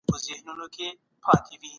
د ولسواکۍ تمرين زغم ته اړتيا لري.